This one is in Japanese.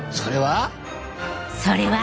それは。